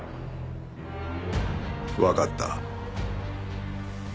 わかった。